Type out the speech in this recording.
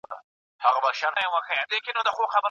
د هغې کیسې اهمېشه ډېر زړور وو.